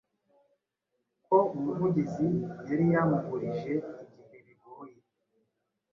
Ko umuvugizi yari yamugurije igihe bigoye